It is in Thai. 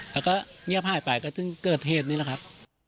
แล้วก็เงียบหายไปก็จึงเกิดเหตุนี้แหละครับ